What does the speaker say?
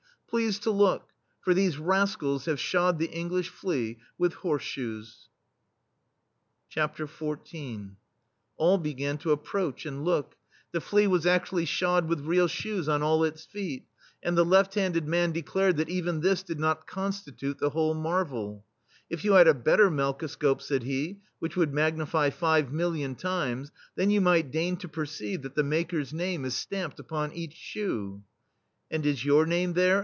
Please to look, for these rascals have shod the English flea with horse shoes !" XIV All began to approach and look ; the flea was adtually shod with real shoes on all its feet, and the left handed man declared that even this did not consti tute the whole marvel. " If you had a better melkoscope," said he, "which would magnify five million times, then you might deign to perceive that the maker*s name is stamped upon each shoe/* "And is your name there?"